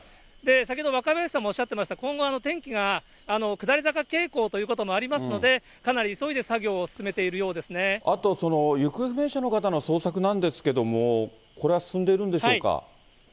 先ほど若林さんもおっしゃってました、今後、天気が下り坂傾向ということもありますので、かなり急いで作業をあと、行方不明者の方の捜索なんですけども、これは進んでいるんでしょうか。